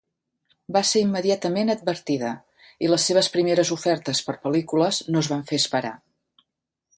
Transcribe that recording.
Va ser immediatament advertida, i les seves primeres ofertes per a pel·lícules no es van fer esperar